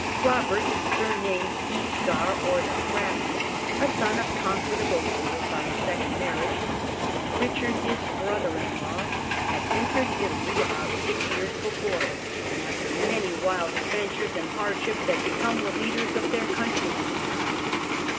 Robert (surnamed Wiscard, or the Crafty), a son of Tancred of Hauteville by a second marriage, and Richard his brother in law, had entered Italy about six years before, and, after many wild adventures and hardships, had become the leaders of their countrymen there.